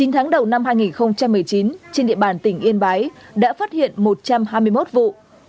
chín tháng đầu năm hai nghìn một mươi chín trên địa bàn tỉnh yên bái đã phát hiện một trăm hai mươi một vụ